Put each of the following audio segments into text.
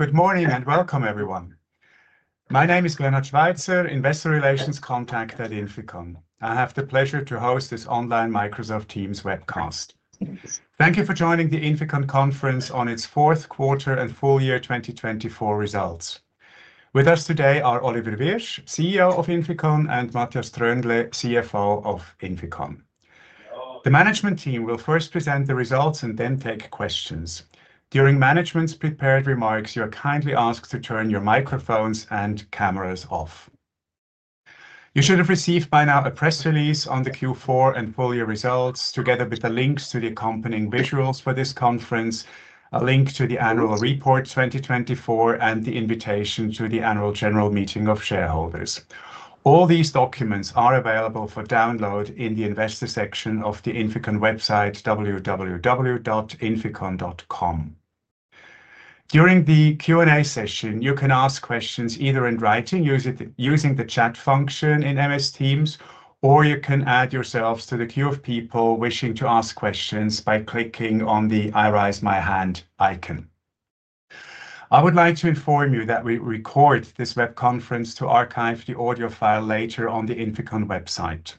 Good morning and welcome, everyone. My name is Bernhard Schweizer, Investor Relations Contact at INFICON. I have the pleasure to host this online Microsoft Teams webcast. Thank you for joining the INFICON Conference on its fourth quarter and full year 2024 results. With us today are Oliver Wyrsch, CEO of INFICON, and Matthias Tröndle, CFO of INFICON. The management team will first present the results and then take questions. During management's prepared remarks, you're kindly asked to turn your microphones and cameras off. You should have received by now a press release on the Q4 and full year results, together with the links to the accompanying visuals for this conference, a link to the annual report 2024, and the invitation to the annual general meeting of shareholders. All these documents are available for download in the investor section of the INFICON website, www.inficon.com. During the Q&A session, you can ask questions either in writing using the chat function in MS Teams, or you can add yourselves to the queue of people wishing to ask questions by clicking on the I Raise My Hand icon. I would like to inform you that we record this web conference to archive the audio file later on the INFICON website.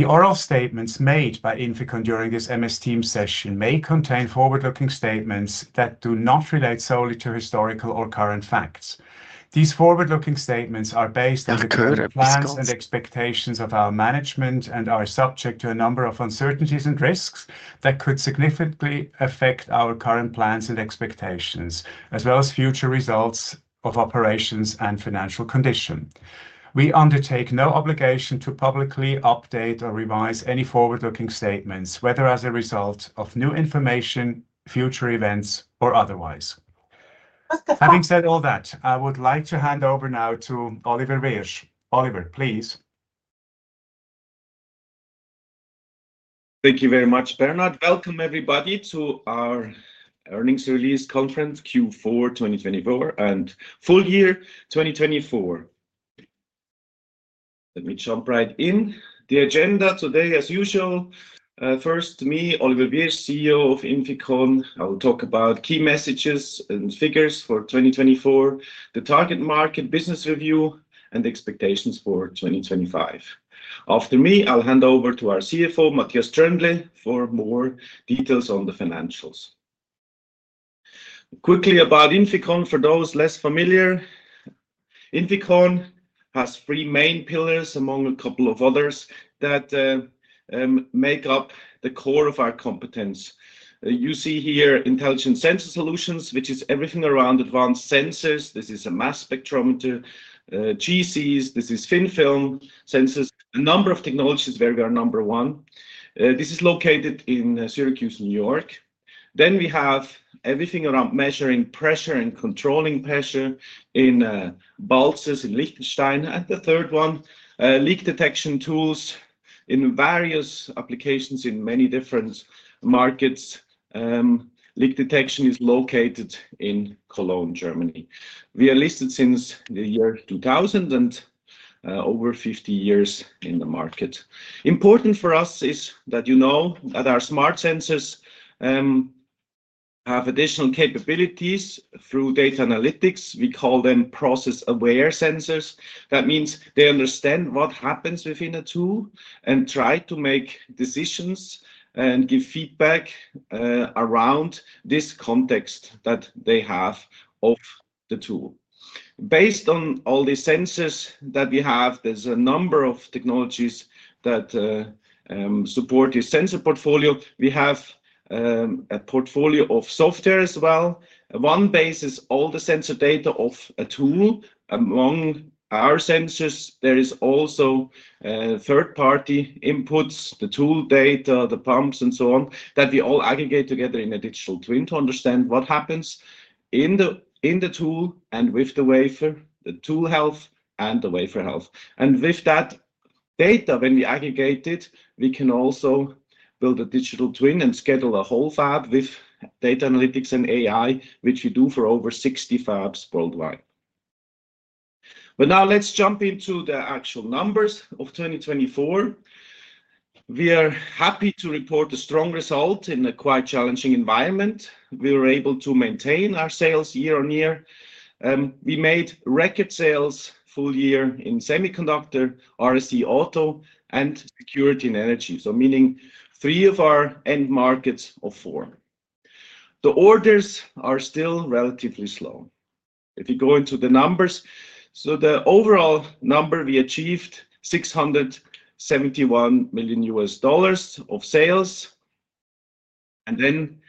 The oral statements made by INFICON during this MS Teams session may contain forward-looking statements that do not relate solely to historical or current facts. These forward-looking statements are based on the current plans and expectations of our management and are subject to a number of uncertainties and risks that could significantly affect our current plans and expectations, as well as future results of operations and financial condition. We undertake no obligation to publicly update or revise any forward-looking statements, whether as a result of new information, future events, or otherwise. Having said all that, I would like to hand over now to Oliver Wyrsch. Oliver, please. Thank you very much, Bernhard. Welcome, everybody, to our earnings release conference, Q4 2024 and full year 2024. Let me jump right in. The agenda today, as usual. First, me, Oliver Wyrsch, CEO of INFICON. I will talk about key messages and figures for 2024, the target market business review, and expectations for 2025. After me, I'll hand over to our CFO, Matthias Tröndle, for more details on the financials. Quickly about INFICON, for those less familiar, INFICON has three main pillars, among a couple of others, that make up the core of our competence. You see here Intelligent Sensor Solutions, which is everything around advanced sensors. This is a mass spectrometer, GCs. This is Thin Film sensors. A number of technologies where we are number one. This is located in Syracuse, New York. Then we have everything around measuring pressure and controlling pressure in Balzers in Liechtenstein. The third one, leak detection tools in various applications in many different markets. Leak detection is located in Cologne, Germany. We are listed since the year 2000 and over 50 years in the market. Important for us is that you know that our smart sensors have additional capabilities through data analytics. We call them process-aware sensors. That means they understand what happens within a tool and try to make decisions and give feedback around this context that they have of the tool. Based on all the sensors that we have, there is a number of technologies that support this sensor portfolio. We have a portfolio of software as well. One bases all the sensor data of a tool among our sensors. There is also third-party inputs, the tool data, the pumps, and so on, that we all aggregate together in a digital twin to understand what happens in the tool and with the wafer, the tool health, and the wafer health. With that data, when we aggregate it, we can also build a digital twin and schedule a whole fab with data analytics and AI, which we do for over 60 fabs worldwide. Now let's jump into the actual numbers of 2024. We are happy to report a strong result in a quite challenging environment. We were able to maintain our sales year on year. We made record sales full year in semiconductor, RSA Auto, and security and energy, meaning three of our end markets of four. The orders are still relatively slow. If you go into the numbers, the overall number we achieved, $671 million of sales. When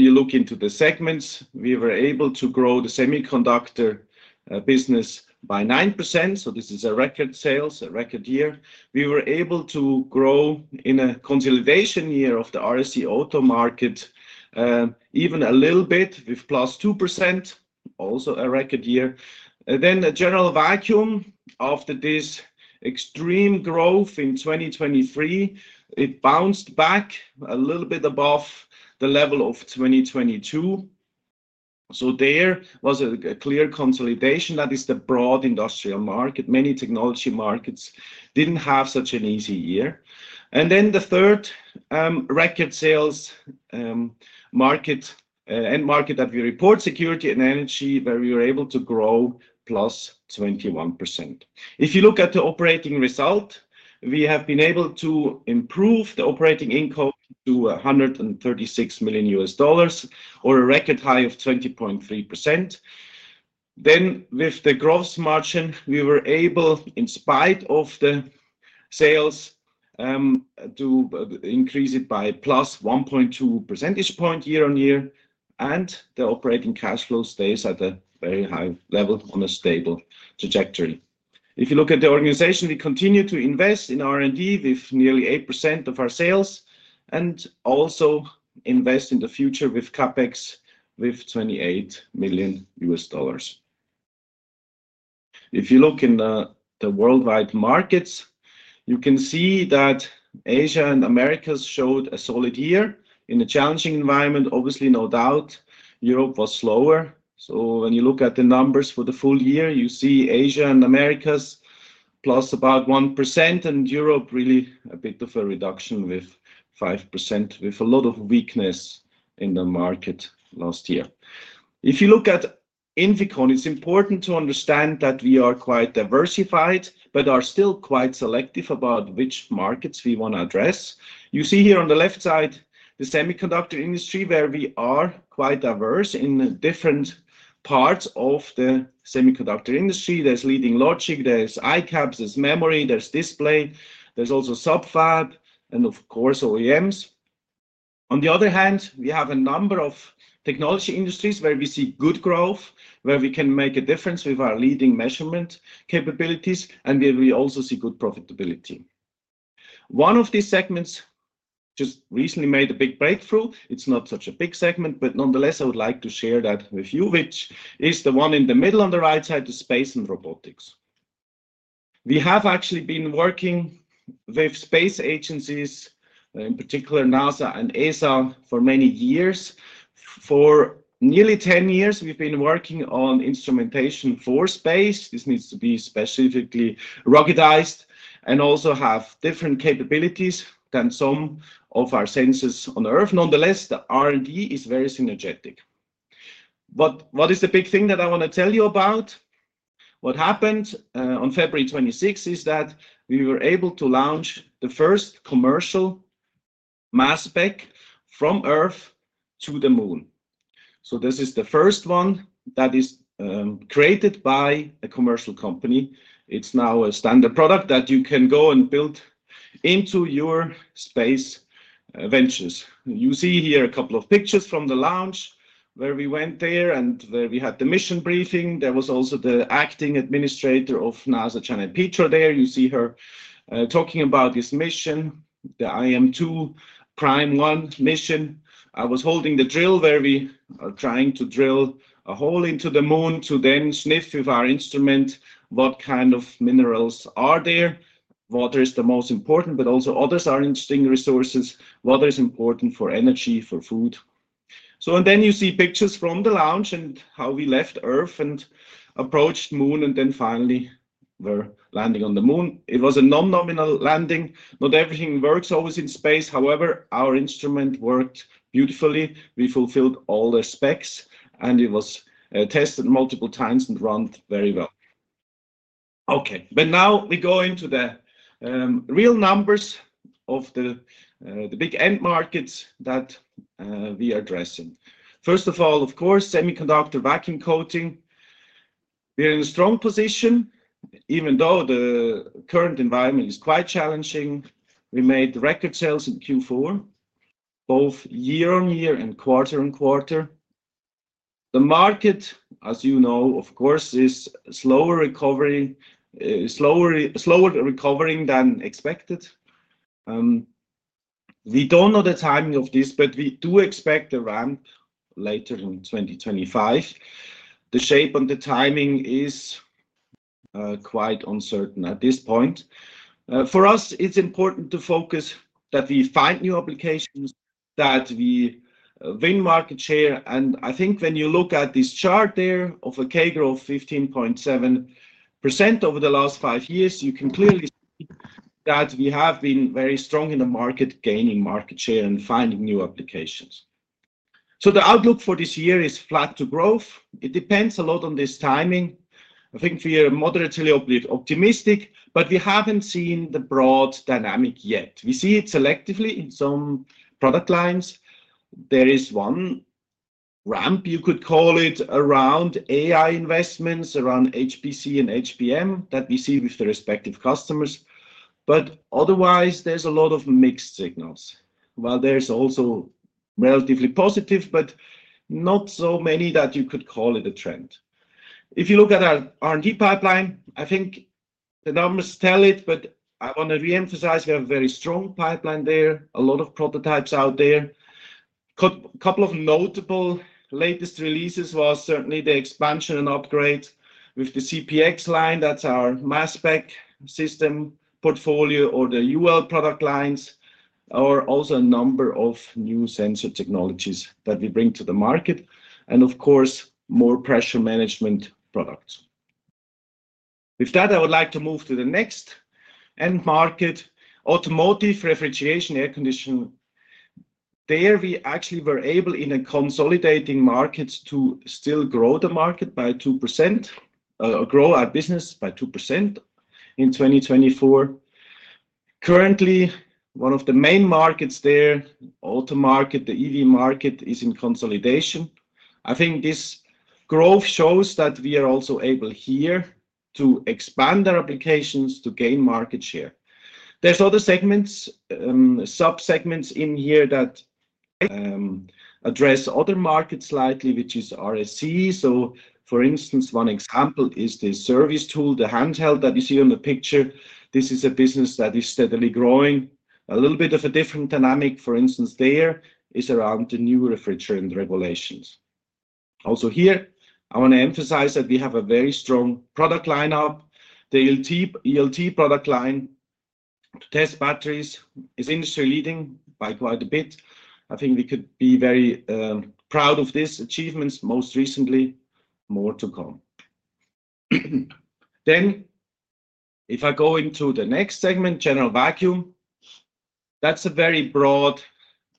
you look into the segments, we were able to grow the semiconductor business by 9%. This is a record sales, a record year. We were able to grow in a consolidation year of the RAC Auto market, even a little bit with plus 2%, also a record year. A general vacuum after this extreme growth in 2023, it bounced back a little bit above the level of 2022. There was a clear consolidation. That is the broad industrial market. Many technology markets did not have such an easy year. The third record sales market and market that we report, security and energy, where we were able to grow plus 21%. If you look at the operating result, we have been able to improve the operating income to $136 million or a record high of 20.3%. With the gross margin, we were able, in spite of the sales, to increase it by plus 1.2 percentage points year on year. The operating cash flow stays at a very high level on a stable trajectory. If you look at the organization, we continue to invest in R&D with nearly 8% of our sales and also invest in the future with CapEx with $28 million. If you look in the worldwide markets, you can see that Asia and America showed a solid year in a challenging environment. Obviously, no doubt, Europe was slower. When you look at the numbers for the full year, you see Asia and Americas plus about 1%, and Europe really a bit of a reduction with 5%, with a lot of weakness in the market last year. If you look at INFICON, it's important to understand that we are quite diversified, but are still quite selective about which markets we want to address. You see here on the left side the semiconductor industry, where we are quite diverse in different parts of the semiconductor industry. There's leading logic, there's ICAPS, there's memory, there's display, there's also subfab, and of course, OEMs. On the other hand, we have a number of technology industries where we see good growth, where we can make a difference with our leading measurement capabilities, and where we also see good profitability. One of these segments just recently made a big breakthrough. It's not such a big segment, but nonetheless, I would like to share that with you, which is the one in the middle on the right side, the space and robotics. We have actually been working with space agencies, in particular NASA and ESA, for many years. For nearly 10 years, we've been working on instrumentation for space. This needs to be specifically ruggedized and also have different capabilities than some of our sensors on Earth. Nonetheless, the R&D is very synergetic. What is the big thing that I want to tell you about? What happened on February 26 is that we were able to launch the first commercial mass spec from Earth to the Moon. This is the first one that is created by a commercial company. It's now a standard product that you can go and build into your space ventures. You see here a couple of pictures from the launch where we went there and where we had the mission briefing. There was also the Acting Administrator of NASA, Janet Petro, there. You see her talking about this mission, the IM-2 Prime 1 mission. I was holding the drill where we are trying to drill a hole into the Moon to then sniff with our instrument what kind of minerals are there. Water is the most important, but also others are interesting resources. Water is important for energy, for food. You see pictures from the launch and how we left Earth and approached the Moon, and then finally we are landing on the Moon. It was a non-nominal landing. Not everything works always in space. However, our instrument worked beautifully. We fulfilled all the specs, and it was tested multiple times and run very well. Okay, now we go into the real numbers of the big end markets that we are addressing. First of all, of course, semiconductor vacuum coating. We're in a strong position, even though the current environment is quite challenging. We made record sales in Q4, both year on year and quarter on quarter. The market, as you know, of course, is slower recovery, slower recovering than expected. We don't know the timing of this, but we do expect a ramp later in 2025. The shape on the timing is quite uncertain at this point. For us, it's important to focus that we find new applications, that we win market share. I think when you look at this chart there of a CAGR of 15.7% over the last five years, you can clearly see that we have been very strong in the market, gaining market share and finding new applications. The outlook for this year is flat to growth. It depends a lot on this timing. I think we are moderately optimistic, but we haven't seen the broad dynamic yet. We see it selectively in some product lines. There is one ramp, you could call it, around AI investments, around HPC and HBM that we see with the respective customers. Otherwise, there's a lot of mixed signals. There is also relatively positive, but not so many that you could call it a trend. If you look at our R&D pipeline, I think the numbers tell it, but I want to reemphasize we have a very strong pipeline there, a lot of prototypes out there. A couple of notable latest releases was certainly the expansion and upgrade with the CPM line. That's our mass spec system portfolio or the UL product lines, or also a number of new sensor technologies that we bring to the market. Of course, more pressure management products. With that, I would like to move to the next end market, automotive refrigeration, air conditioning. There we actually were able, in a consolidating market, to still grow the market by 2%, grow our business by 2% in 2024. Currently, one of the main markets there, auto market, the EV market, is in consolidation. I think this growth shows that we are also able here to expand our applications to gain market share. There are other segments, sub segments in here that address other markets slightly, which is RSC. For instance, one example is the service tool, the handheld that you see on the picture. This is a business that is steadily growing. A little bit of a different dynamic, for instance, there is around the new refrigerant regulations. Also here, I want to emphasize that we have a very strong product lineup. The ELT product line to test batteries is industry-leading by quite a bit. I think we could be very proud of these achievements. Most recently, more to come. If I go into the next segment, general vacuum, that is a very broad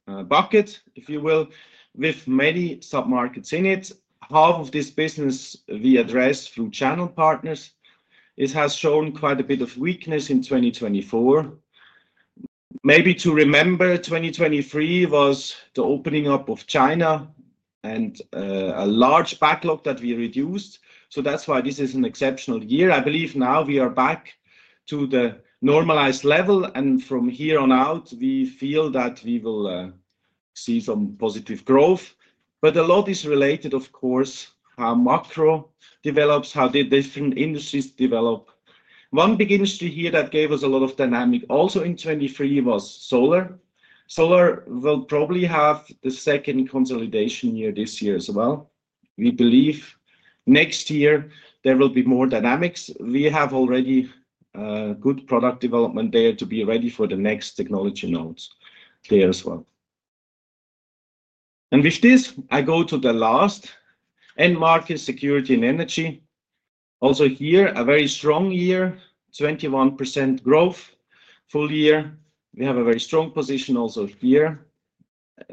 bucket, if you will, with many submarkets in it. Half of this business we address through channel partners. It has shown quite a bit of weakness in 2024. Maybe to remember, 2023 was the opening up of China and a large backlog that we reduced. That is why this is an exceptional year. I believe now we are back to the normalized level. From here on out, we feel that we will see some positive growth. A lot is related, of course, to how macro develops, how the different industries develop. One big industry here that gave us a lot of dynamic also in 2023 was solar. Solar will probably have the second consolidation year this year as well. We believe next year there will be more dynamics. We have already good product development there to be ready for the next technology nodes there as well. With this, I go to the last end market, security and energy. Also here, a very strong year, 21% growth full year. We have a very strong position also here.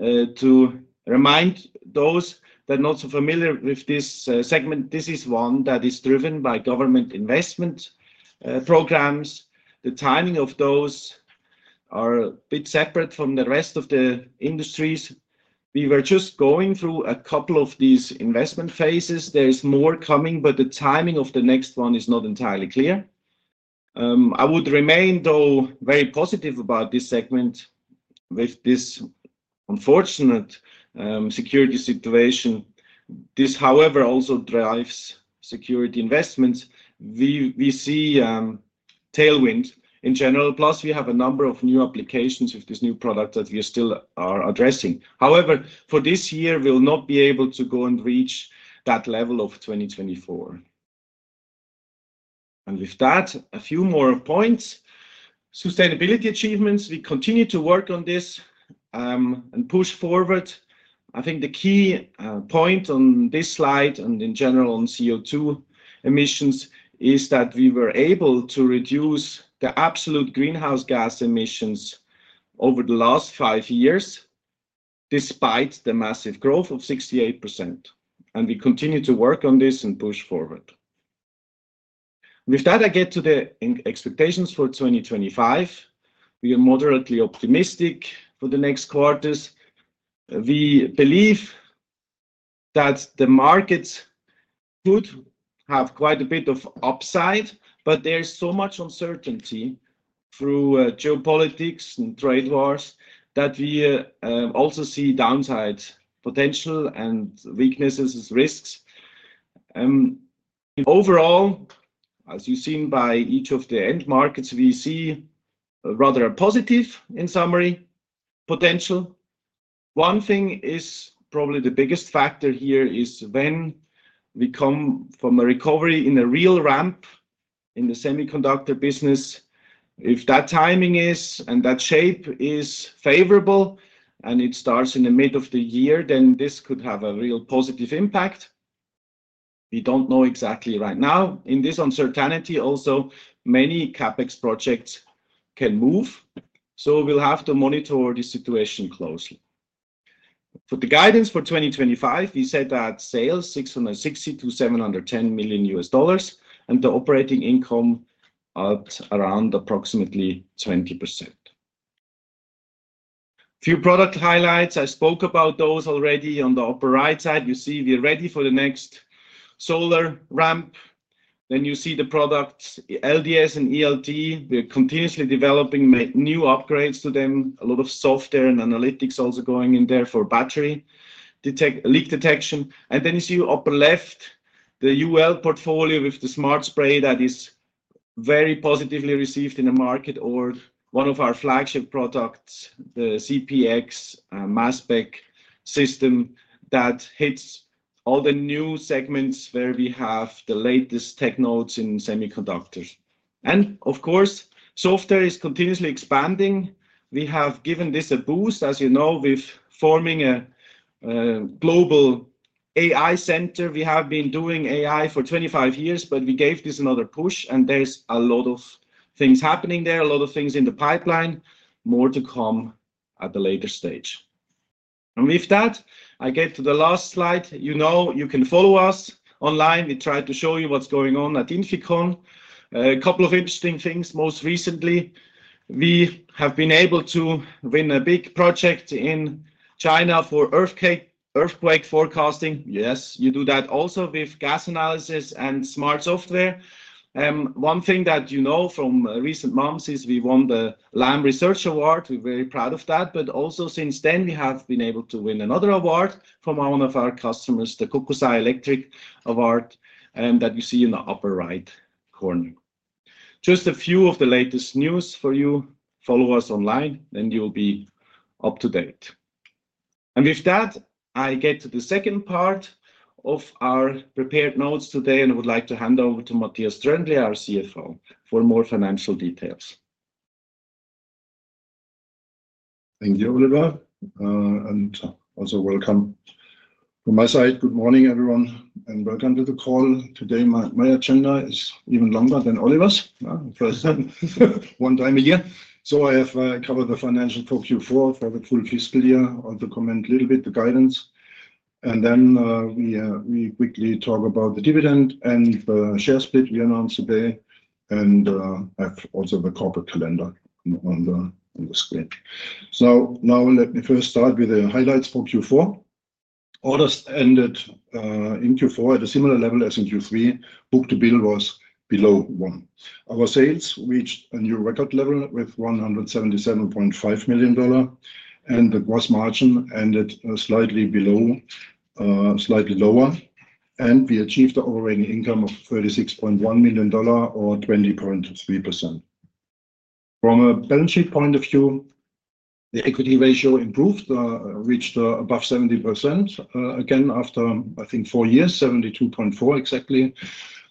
To remind those that are not so familiar with this segment, this is one that is driven by government investment programs. The timing of those are a bit separate from the rest of the industries. We were just going through a couple of these investment phases. There is more coming, but the timing of the next one is not entirely clear. I would remain, though, very positive about this segment with this unfortunate security situation. This, however, also drives security investments. We see tailwinds in general. Plus, we have a number of new applications with this new product that we still are addressing. However, for this year, we will not be able to go and reach that level of 2024. With that, a few more points. Sustainability achievements. We continue to work on this and push forward. I think the key point on this slide and in general on CO2 emissions is that we were able to reduce the absolute greenhouse gas emissions over the last five years despite the massive growth of 68%. We continue to work on this and push forward. With that, I get to the expectations for 2025. We are moderately optimistic for the next quarters. We believe that the markets could have quite a bit of upside, but there's so much uncertainty through geopolitics and trade wars that we also see downside potential and weaknesses as risks. Overall, as you've seen by each of the end markets, we see rather positive in summary potential. One thing is probably the biggest factor here is when we come from a recovery in a real ramp in the semiconductor business. If that timing is and that shape is favorable and it starts in the mid of the year, then this could have a real positive impact. We don't know exactly right now. In this uncertainty, also many CapEx projects can move. We will have to monitor the situation closely. For the guidance for 2025, we said that sales $660 million-$710 million and the operating income at around approximately 20%. Few product highlights. I spoke about those already. On the upper right side, you see we're ready for the next solar ramp. Then you see the products, LDS and ELT. We're continuously developing new upgrades to them. A lot of software and analytics also going in there for battery leak detection. You see upper left, the UL portfolio with the smart spray that is very positively received in the market or one of our flagship products, the CPM mass spec system that hits all the new segments where we have the latest tech notes in semiconductors. Of course, software is continuously expanding. We have given this a boost, as you know, with forming a global AI center. We have been doing AI for 25 years, but we gave this another push. There is a lot of things happening there, a lot of things in the pipeline, more to come at the later stage. With that, I get to the last slide. You know, you can follow us online. We tried to show you what's going on at INFICON. A couple of interesting things. Most recently, we have been able to win a big project in China for earthquake forecasting. Yes, you do that also with gas analysis and smart software. One thing that you know from recent months is we won the Lam Research Award. We're very proud of that. Also, since then, we have been able to win another award from one of our customers, the Kokusai Electric Award that you see in the upper right corner. Just a few of the latest news for you. Follow us online, then you'll be up to date. With that, I get to the second part of our prepared notes today, and I would like to hand over toMatthias Tröndle, our CFO, for more financial details. Thank you, Oliver. Also welcome. From my side, good morning, everyone, and welcome to the call today. My agenda is even longer than Oliver's, one time a year.I have covered the financials for Q4 for the full fiscal year, also comment a little bit on the guidance. We quickly talk about the dividend and the share split we announced today. I have also the corporate calendar on the screen. Now let me first start with the highlights for Q4. Orders ended in Q4 at a similar level as in Q3. Book to bill was below one. Our sales reached a new record level with $177.5 million, and the gross margin ended slightly below, slightly lower. We achieved an operating income of $36.1 million or 20.3%. From a balance sheet point of view, the equity ratio improved, reached above 70% again after, I think, four years, 72.4% exactly,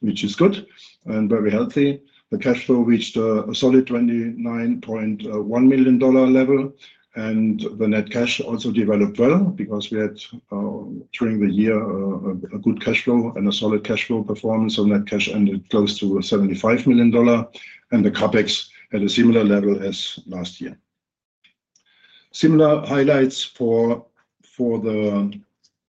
which is good and very healthy. The cash flow reached a solid $29.1 million level. The net cash also developed well because we had during the year a good cash flow and a solid cash flow performance. Net cash ended close to $75 million. The CapEx at a similar level as last year. Similar highlights for the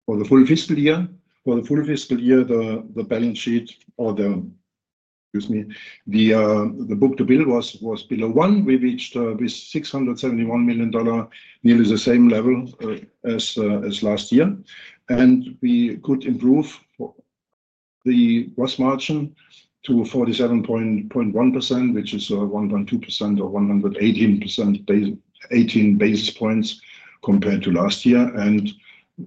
full fiscal year. For the full fiscal year, the balance sheet or the, excuse me, the book to bill was below one. We reached $671 million, nearly the same level as last year. We could improve the gross margin to 47.1%, which is 1.2% or 118 basis points compared to last year.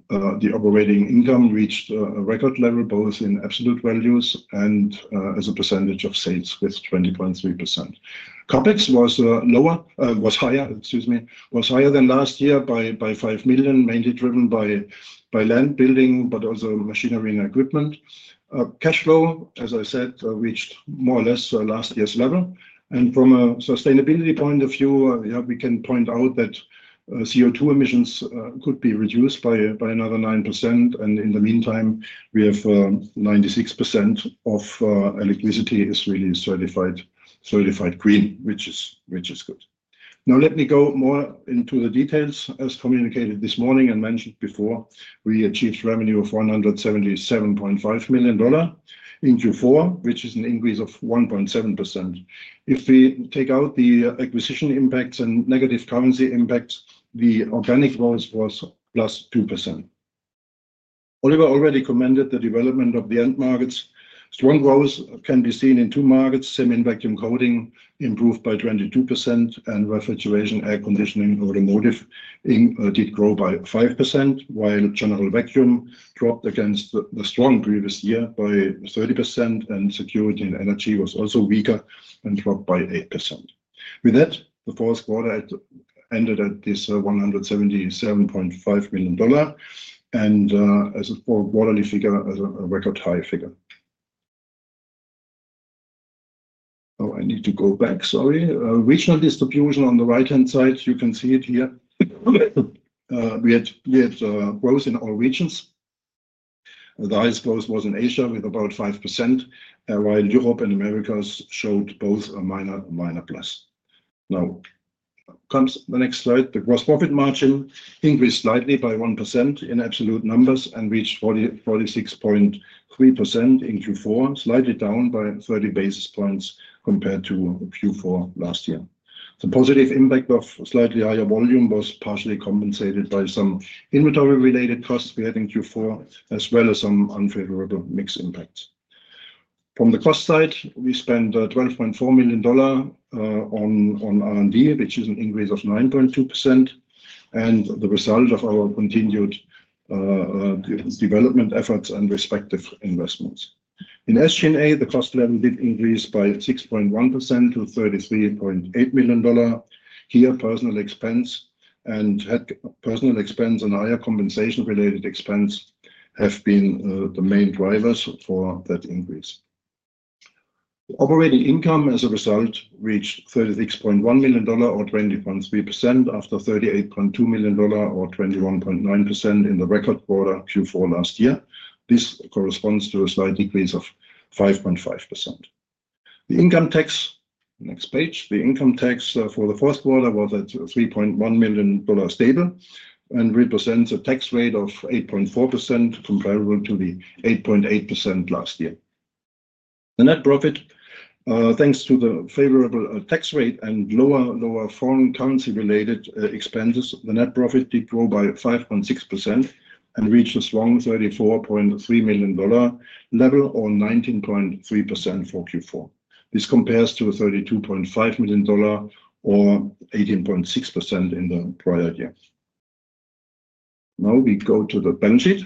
The operating income reached a record level both in absolute values and as a percentage of sales with 20.3%. CapEx was higher than last year by $5 million, mainly driven by land building, but also machinery and equipment. Cash flow, as I said, reached more or less last year's level. From a sustainability point of view, we can point out that CO2 emissions could be reduced by another 9%. In the meantime, we have 96% of electricity is really certified green, which is good. Now let me go more into the details. As communicated this morning and mentioned before, we achieved revenue of $177.5 million in Q4, which is an increase of 1.7%. If we take out the acquisition impacts and negative currency impacts, the organic growth was plus 2%. Oliver already commented on the development of the end markets. Strong growth can be seen in two markets, semi-vacuum coating improved by 22%, and refrigeration, air conditioning, automotive did grow by 5%, while general vacuum dropped against the strong previous year by 30%. Security and energy was also weaker and dropped by 8%. With that, the fourth quarter ended at this $177.5 million. As a quarterly figure, as a record high figure. I need to go back, sorry. Regional distribution on the right-hand side, you can see it here. We had growth in all regions. The highest growth was in Asia with about 5%, while Europe and Americas showed both a minor plus. Now comes the next slide. The gross profit margin increased slightly by 1% in absolute numbers and reached 46.3% in Q4, slightly down by 30 basis points compared to Q4 last year. The positive impact of slightly higher volume was partially compensated by some inventory-related costs we had in Q4, as well as some unfavorable mixed impacts. From the cost side, we spent $12.4 million on R&D, which is an increase of 9.2%, and the result of our continued development efforts and respective investments. In SG&A, the cost level did increase by 6.1% to $33.8 million. Here, personnel expense and higher compensation-related expense have been the main drivers for that increase. Operating income, as a result, reached $36.1 million or 20.3% after $38.2 million or 21.9% in the record quarter Q4 last year. This corresponds to a slight decrease of 5.5%. The income tax, next page, the income tax for the fourth quarter was at $3.1 million stable and represents a tax rate of 8.4% comparable to the 8.8% last year. The net profit, thanks to the favorable tax rate and lower foreign currency-related expenses, the net profit did grow by 5.6% and reached a strong $34.3 million level or 19.3% for Q4. This compares to $32.5 million or 18.6% in the prior year. Now we go to the balance sheet.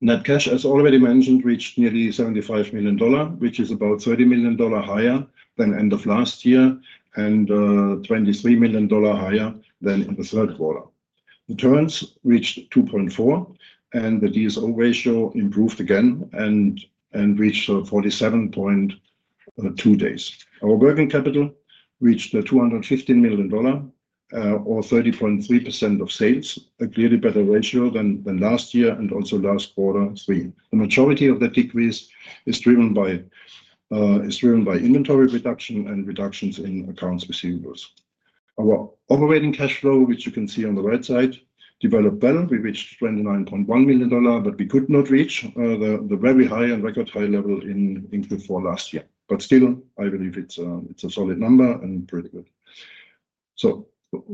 Net cash, as already mentioned, reached nearly $75 million, which is about $30 million higher than end of last year and $23 million higher than in the third quarter. Returns reached 2.4, and the DSO ratio improved again and reached 47.2 days. Our working capital reached $215 million or 30.3% of sales, a clearly better ratio than last year and also last quarter three. The majority of that decrease is driven by inventory reduction and reductions in accounts receivables. Our operating cash flow, which you can see on the right side, developed well. We reached $29.1 million, but we could not reach the very high and record high level in Q4 last year. I believe it's a solid number and pretty good.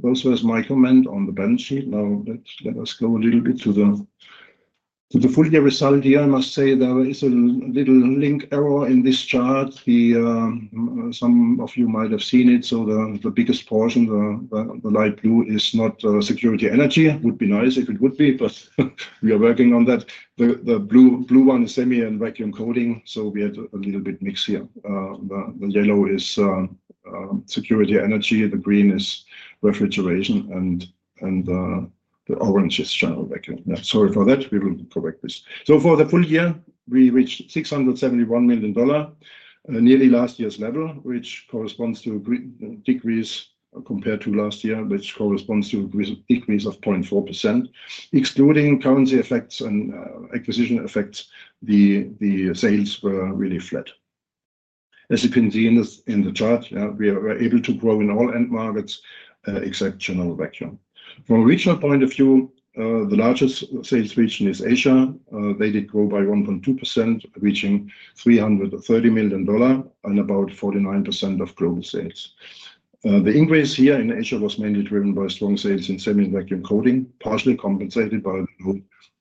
Those were my comments on the balance sheet. Now let us go a little bit to the full year result here. I must say there is a little link error in this chart. Some of you might have seen it. The biggest portion, the light blue, is not security energy. It would be nice if it would be, but we are working on that. The blue one is semi and vacuum coating, so we had a little bit mix here. The yellow is security energy. The green is refrigeration, and the orange is general vacuum. Sorry for that. We will correct this. For the full year, we reached $671 million, nearly last year's level, which corresponds to a decrease compared to last year, which corresponds to a decrease of 0.4%. Excluding currency effects and acquisition effects, the sales were really flat. As you can see in the chart, we were able to grow in all end markets, except general vacuum. From a regional point of view, the largest sales region is Asia. They did grow by 1.2%, reaching $330 million and about 49% of global sales. The increase here in Asia was mainly driven by strong sales in semi-vacuum coating, partially compensated by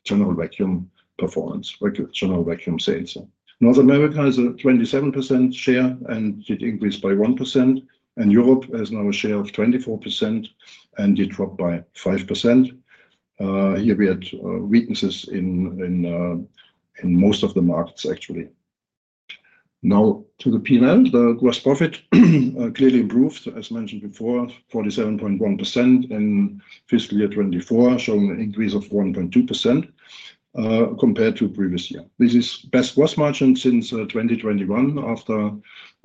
general vacuum performance, general vacuum sales. North America has a 27% share and did increase by 1%. Europe has now a share of 24% and did drop by 5%. Here we had weaknesses in most of the markets, actually. Now to the P&L, the gross profit clearly improved, as mentioned before, 47.1% in fiscal year 2024, showing an increase of 1.2% compared to previous year. This is best gross margin since 2021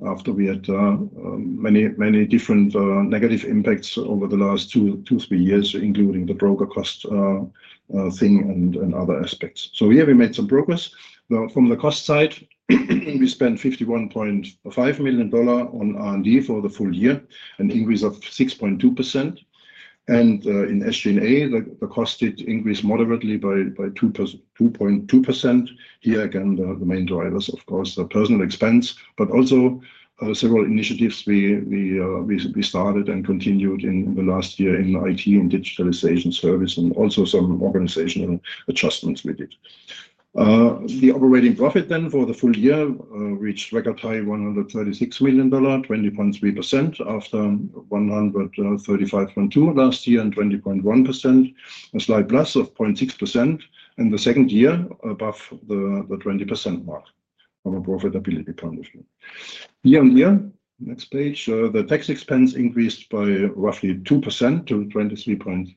after we had many, many different negative impacts over the last two, three years, including the broker cost thing and other aspects. Here we made some progress. From the cost side, we spent $51.5 million on R&D for the full year, an increase of 6.2%. In SG&A, the cost did increase moderately by 2.2%. Here again, the main drivers, of course, are personal expense, but also several initiatives we started and continued in the last year in IT and digitalization service, and also some organizational adjustments we did. The operating profit then for the full year reached record high, $136 million, 20.3% after $135.2 million last year and 20.1%, a slight plus of 0.6%, and the second year above the 20% mark from a profitability point of view. Year on year, next page, the tax expense increased by roughly 2% to $23.6 million.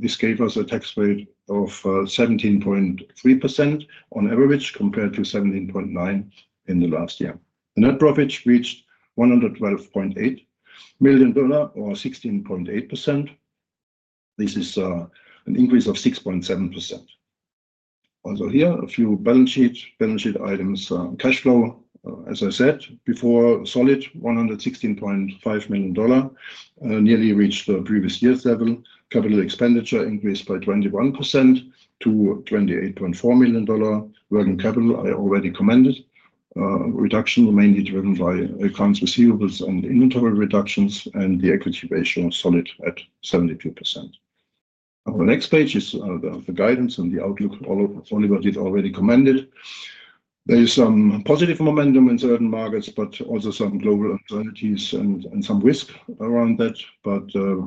This gave us a tax rate of 17.3% on average compared to 17.9% in the last year. The net profit reached $112.8 million or 16.8%. This is an increase of 6.7%. Also here, a few balance sheet items. Cash flow, as I said before, solid, $116.5 million, nearly reached the previous year's level. Capital expenditure increased by 21% to $28.4 million. Working capital, I already commented, reduction mainly driven by accounts receivables and inventory reductions, and the equity ratio solid at 72%. On the next page is the guidance and the outlook. Oliver did already commented. There is some positive momentum in certain markets, but also some global uncertainties and some risk around that.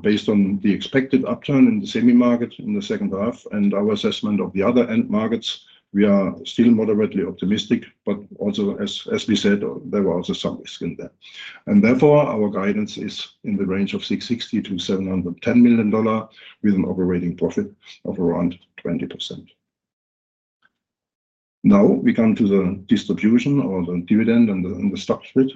Based on the expected upturn in the semi-market in the second half and our assessment of the other end markets, we are still moderately optimistic, but also, as we said, there were also some risks in there. Therefore, our guidance is in the range of $660-$710 million with an operating profit of around 20%. Now we come to the distribution or the dividend and the stock split.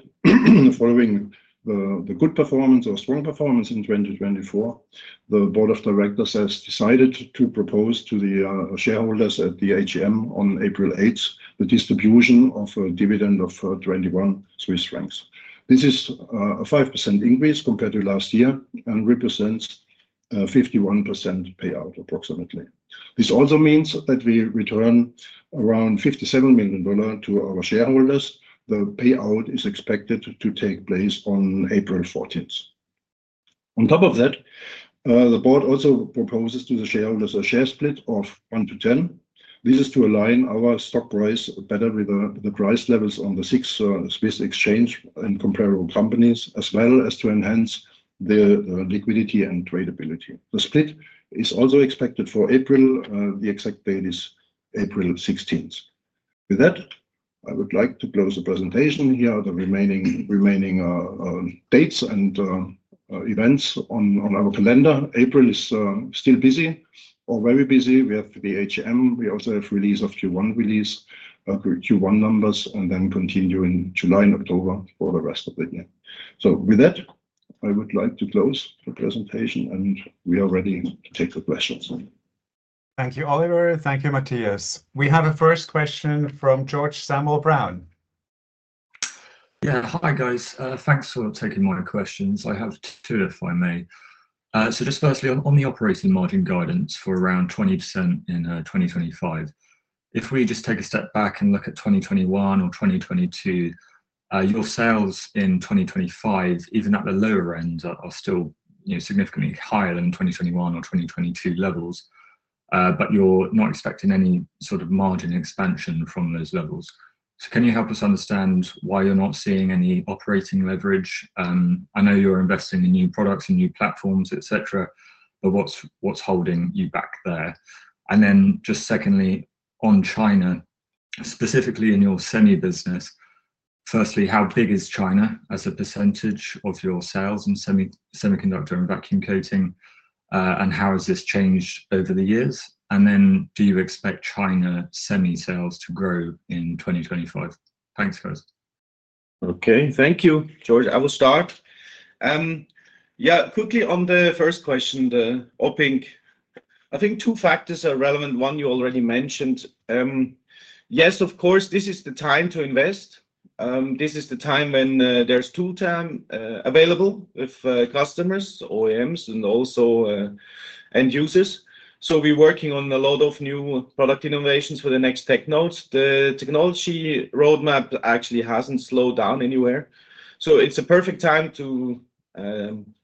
Following the good performance or strong performance in 2024, the Board of Directors has decided to propose to the shareholders at the AGM on April 8th the distribution of a dividend of 21 Swiss francs. This is a 5% increase compared to last year and represents 51% payout approximately. This also means that we return around $57 million to our shareholders. The payout is expected to take place on April 14th. On top of that, the Board also proposes to the shareholders a share split of 1-10. This is to align our stock price better with the price levels on the SIX Swiss Exchange and comparable companies, as well as to enhance the liquidity and tradability. The split is also expected for April. The exact date is April 16th. With that, I would like to close the presentation. Here are the remaining dates and events on our calendar. April is still busy or very busy. We have the AGM. We also have release of Q1 release, Q1 numbers, and then continue in July and October for the rest of the year. With that, I would like to close the presentation, and we are ready to take the questions. Thank you, Oliver. Thank you, Matthias. We have a first question from Jörg-Samuel Brown. Yeah, hi, guys. Thanks for taking my questions. I have two, if I may. Just firstly, on the operating margin guidance for around 20% in 2025, if we just take a step back and look at 2021 or 2022, your sales in 2025, even at the lower end, are still significantly higher than 2021 or 2022 levels, but you're not expecting any sort of margin expansion from those levels. Can you help us understand why you're not seeing any operating leverage? I know you're investing in new products and new platforms, etc., but what's holding you back there? Just secondly, on China, specifically in your semi business, firstly, how big is China as a percentage of your sales in semiconductor and vacuum coating, and how has this changed over the years? Do you expect China semi sales to grow in 2025? Thanks, guys. Okay, thank you, George. I will start. Yeah, quickly on the first question, the opaque. I think two factors are relevant. One you already mentioned. Yes, of course, this is the time to invest. This is the time when there's tool time available with customers, OEMs, and also end users. We're working on a lot of new product innovations for the next tech nodes. The technology roadmap actually hasn't slowed down anywhere. It's a perfect time to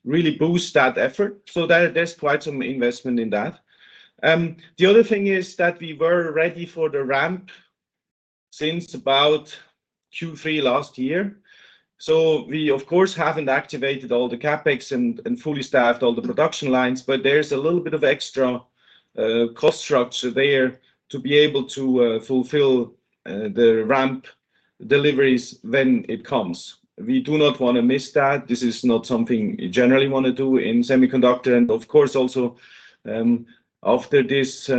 really boost that effort. There is quite some investment in that. The other thing is that we were ready for the ramp since about Q3 last year. We, of course, have not activated all the CapEx and fully staffed all the production lines, but there is a little bit of extra cost structure there to be able to fulfill the ramp deliveries when it comes. We do not want to miss that. This is not something we generally want to do in semiconductor. Of course, also after this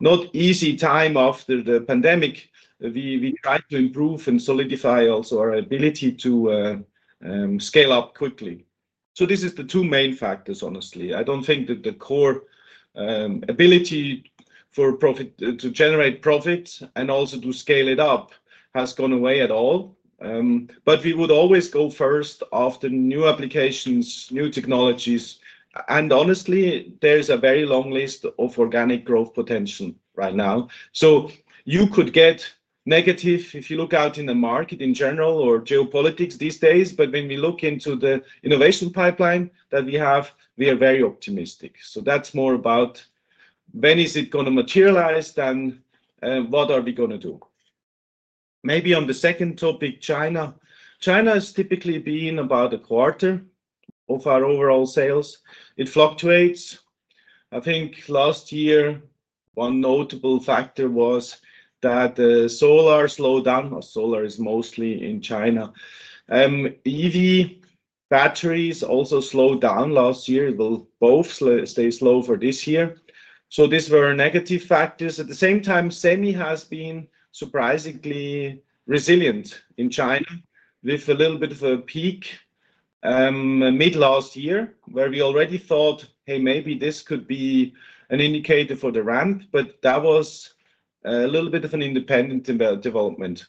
not easy time after the pandemic, we tried to improve and solidify also our ability to scale up quickly. These are the two main factors, honestly. I do not think that the core ability to generate profit and also to scale it up has gone away at all. We would always go first after new applications, new technologies. Honestly, there's a very long list of organic growth potential right now. You could get negative if you look out in the market in general or geopolitics these days. When we look into the innovation pipeline that we have, we are very optimistic. That's more about when is it going to materialize than what are we going to do. Maybe on the second topic, China. China has typically been about a quarter of our overall sales. It fluctuates. I think last year, one notable factor was that the solar slowed down. Solar is mostly in China. EV batteries also slowed down last year. They will both stay slow for this year. These were negative factors. At the same time, semi has been surprisingly resilient in China with a little bit of a peak mid-last year where we already thought, hey, maybe this could be an indicator for the ramp, but that was a little bit of an independent development.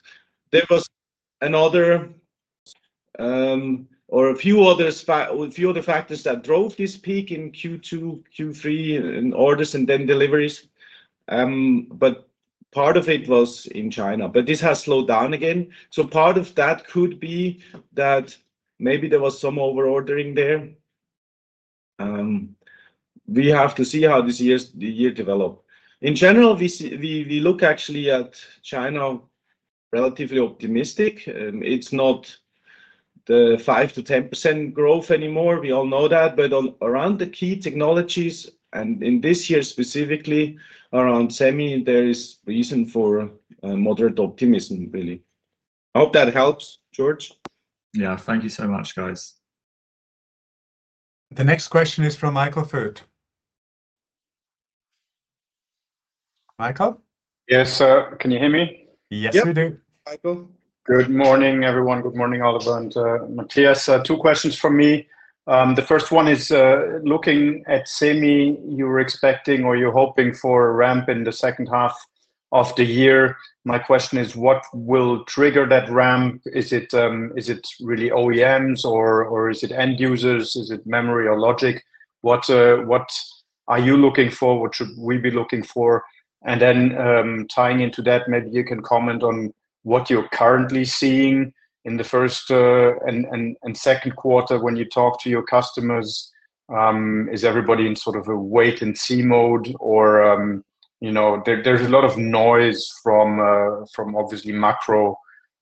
There was another or a few other factors that drove this peak in Q2, Q3, in orders and then deliveries. Part of it was in China. This has slowed down again. Part of that could be that maybe there was some overordering there. We have to see how this year develops. In general, we look actually at China relatively optimistic. It's not the 5-10% growth anymore. We all know that. Around the key technologies and in this year specifically, around semi, there is reason for moderate optimism, really. I hope that helps, George. Yeah, thank you so much, guys. The next question is fromMichael Foeth. Michael? Yes, can you hear me? Yes, we do. Good morning, everyone. Good morning, Oliver and Matthias. Two questions from me. The first one is looking at semi, you were expecting or you're hoping for a ramp in the second half of the year. My question is, what will trigger that ramp? Is it really OEMs or is it end users? Is it memory or logic? What are you looking for? What should we be looking for? And then tying into that, maybe you can comment on what you're currently seeing in the first and second quarter when you talk to your customers. Is everybody in sort of a wait-and-see mode? Or there's a lot of noise from obviously macro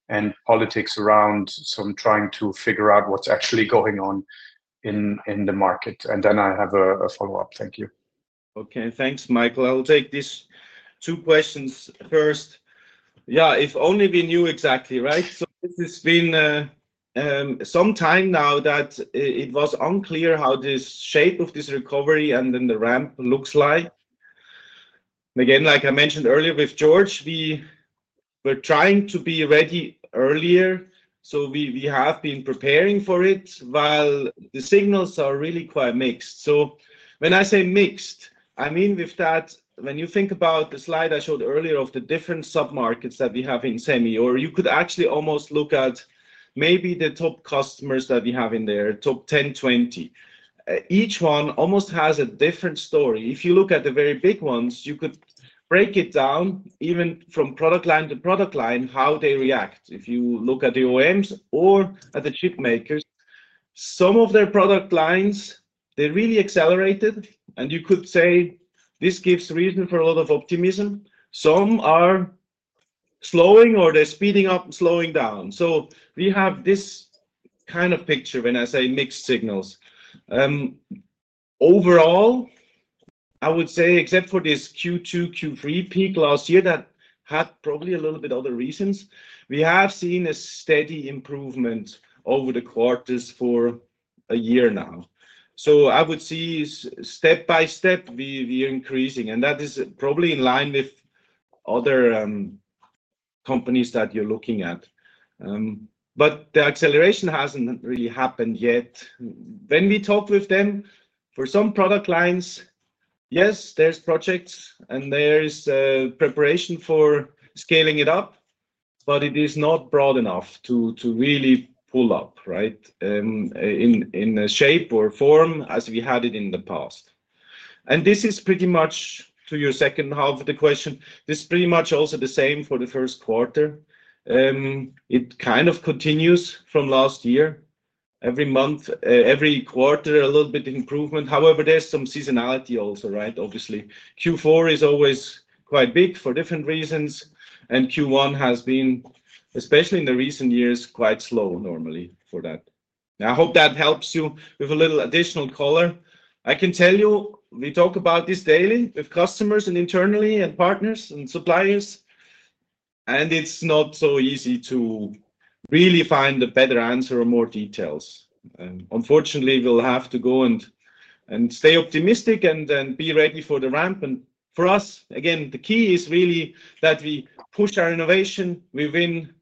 and politics around some trying to figure out what's actually going on in the market. And then I have a follow-up. Thank you. Okay, thanks, Michael. I'll take these two questions first. Yeah, if only we knew exactly, right? This has been some time now that it was unclear how the shape of this recovery and then the ramp looks like. Again, like I mentioned earlier with George, we were trying to be ready earlier. We have been preparing for it while the signals are really quite mixed. When I say mixed, I mean with that, when you think about the slide I showed earlier of the different sub-markets that we have in semi, or you could actually almost look at maybe the top customers that we have in there, top 10, 20. Each one almost has a different story. If you look at the very big ones, you could break it down even from product line to product line how they react. If you look at the OEMs or at the chip makers, some of their product lines, they really accelerated. You could say this gives reason for a lot of optimism. Some are slowing or they're speeding up and slowing down. We have this kind of picture when I say mixed signals. Overall, I would say, except for this Q2, Q3 peak last year that had probably a little bit of other reasons, we have seen a steady improvement over the quarters for a year now. I would see step by step we are increasing. That is probably in line with other companies that you're looking at. The acceleration hasn't really happened yet. When we talk with them, for some product lines, yes, there's projects and there is preparation for scaling it up, but it is not broad enough to really pull up, right, in the shape or form as we had it in the past. This is pretty much to your second half of the question. This is pretty much also the same for the first quarter. It kind of continues from last year. Every month, every quarter, a little bit of improvement. However, there's some seasonality also, right? Obviously, Q4 is always quite big for different reasons. Q1 has been, especially in the recent years, quite slow normally for that. I hope that helps you with a little additional color. I can tell you, we talk about this daily with customers and internally and partners and suppliers. It is not so easy to really find a better answer or more details. Unfortunately, we will have to go and stay optimistic and be ready for the ramp. For us, again, the key is really that we push our innovation within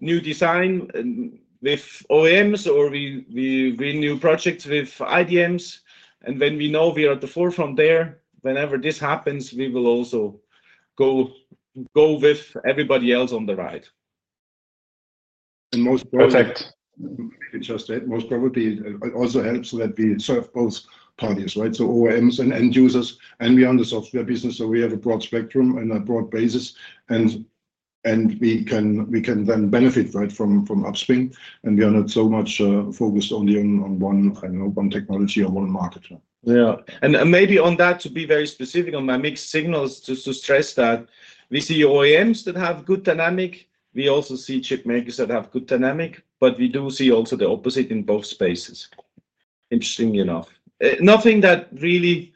new design with OEMs or with new projects with IDMs. When we know we are at the forefront there, whenever this happens, we will also go with everybody else on the right. Most probably. Perfect. Interesting. Most probably also helps that we serve both parties, right? OEMs and end users. We are in the software business, so we have a broad spectrum and a broad basis. We can then benefit from upstream. We are not so much focused only on one technology or one market. Yeah. Maybe on that, to be very specific on my mixed signals, to stress that we see OEMs that have good dynamic. We also see chip makers that have good dynamic. We do see also the opposite in both spaces. Interesting enough. Nothing that really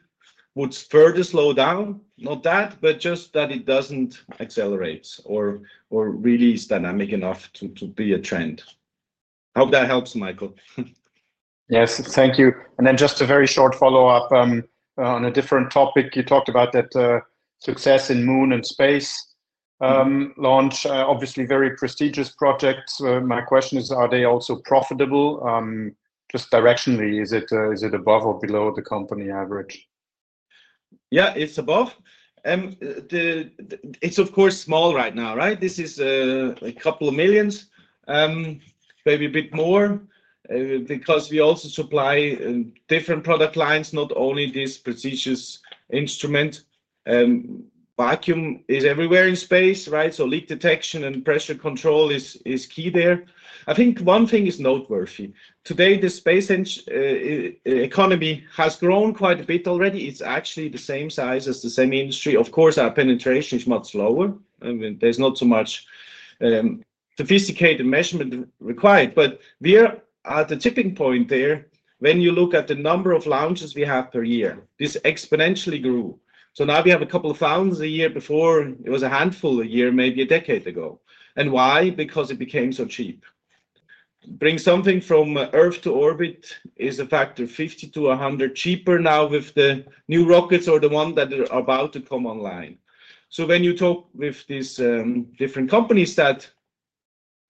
would further slow down, not that, but just that it does not accelerate or release dynamic enough to be a trend. I hope that helps, Michael. Yes, thank you. A very short follow-up on a different topic. You talked about that success in Moon and Space launch, obviously very prestigious projects. My question is, are they also profitable? Just directionally, is it above or below the company average? Yeah, it is above. It is, of course, small right now, right? This is a couple of million, maybe a bit more, because we also supply different product lines, not only this prestigious instrument. Vacuum is everywhere in space, right? Leak detection and pressure control is key there. I think one thing is noteworthy. Today, the space economy has grown quite a bit already. It is actually the same size as the semi industry. Of course, our penetration is much lower. There is not so much sophisticated measurement required. We are at the tipping point there when you look at the number of launches we have per year. This exponentially grew. Now we have a couple of thousand a year. Before, it was a handful a year, maybe a decade ago. Why? Because it became so cheap. Bringing something from Earth to orbit is a factor of 50-100 cheaper now with the new rockets or the ones that are about to come online. When you talk with these different companies that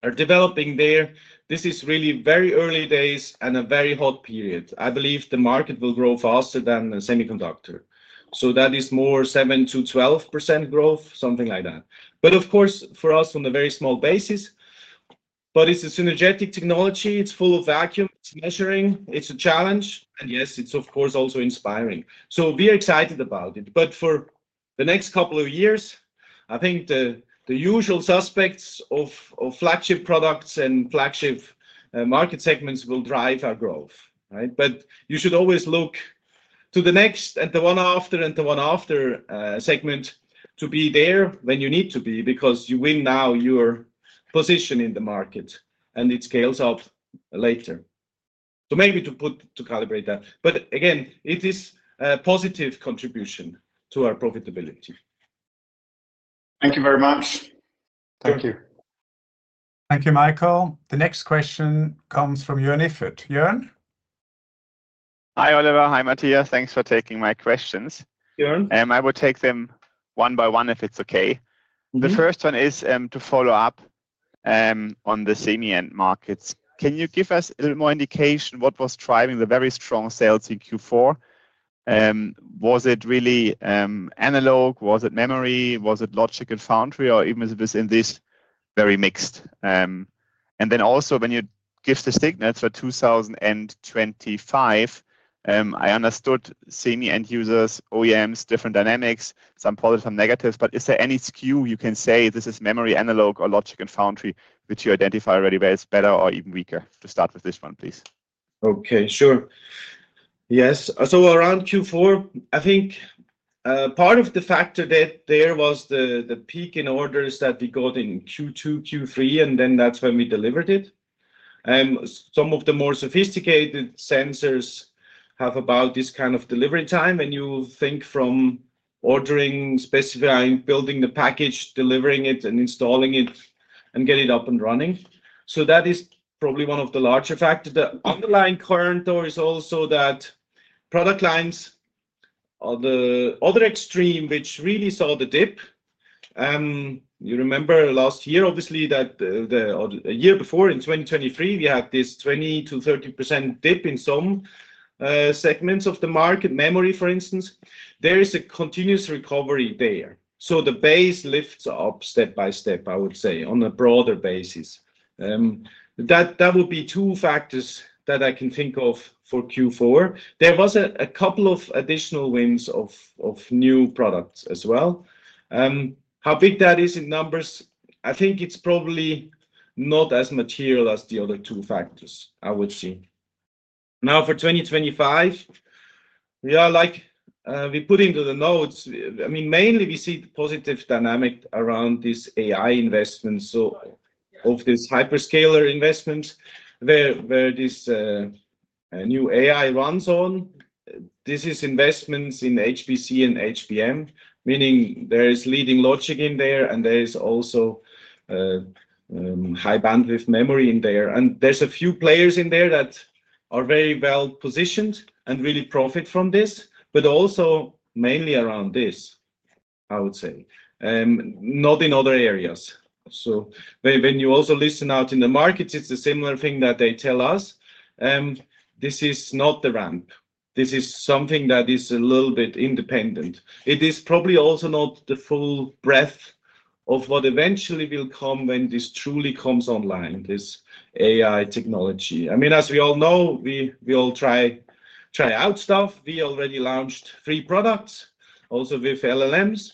are developing there, this is really very early days and a very hot period. I believe the market will grow faster than a semiconductor. That is more 7-12% growth, something like that. Of course, for us, on a very small basis. It is a synergetic technology. It is full of vacuum. It is measuring. It is a challenge. Yes, it is, of course, also inspiring. We are excited about it. For the next couple of years, I think the usual suspects of flagship products and flagship market segments will drive our growth, right? You should always look to the next and the one after and the one after segment to be there when you need to be because you win now your position in the market and it scales up later. Maybe to calibrate that. But again, it is a positive contribution to our profitability. Thank you very much. Thank you. Thank you, Michael. The next question comes from Jörn Iffert. Jörn? Hi, Oliver. Hi, Matthias. Thanks for taking my questions. I will take them one by one if it's okay. The first one is to follow up on the semi end markets. Can you give us a little more indication what was driving the very strong sales in Q4? Was it really analog? Was it memory? Was it logic and foundry? Or even if it was in this very mixed? Also, when you give the signals for 2025, I understood semi end users, OEMs, different dynamics, some positive, some negatives. Is there any skew you can say this is memory, analog, or logic and foundry, which you identify already where it's better or even weaker? To start with this one, please. Okay, sure. Yes. Around Q4, I think part of the factor there was the peak in orders that we got in Q2, Q3, and then that's when we delivered it. Some of the more sophisticated sensors have about this kind of delivery time. You think from ordering, specifying, building the package, delivering it and installing it and getting it up and running. That is probably one of the larger factors. The underlying current, though, is also that product lines are the other extreme, which really saw the dip. You remember last year, obviously, that a year before in 2023, we had this 20%-30% dip in some segments of the market, memory, for instance. There is a continuous recovery there. The base lifts up step by step, I would say, on a broader basis. That would be two factors that I can think of for Q4. There was a couple of additional wins of new products as well. How big that is in numbers, I think it's probably not as material as the other two factors, I would see. Now for 2025, like we put into the notes, I mean, mainly we see positive dynamic around this AI investment. Of this hyperscaler investment where this new AI runs on, this is investments in HPC and HBM, meaning there is leading logic in there and there is also high bandwidth memory in there. And there's a few players in there that are very well positioned and really profit from this, but also mainly around this, I would say, not in other areas. When you also listen out in the markets, it's a similar thing that they tell us. This is not the ramp. This is something that is a little bit independent. It is probably also not the full breadth of what eventually will come when this truly comes online, this AI technology. I mean, as we all know, we all try out stuff. We already launched three products, also with LLMs.